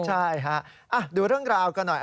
ใช่ฮะดูเรื่องราวกันหน่อย